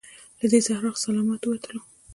له دې صحرا څخه سلامت ووتلو.